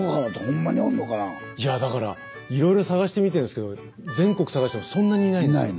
いやだからいろいろ探してみてるんですけど全国探してもそんなにいないんですよ。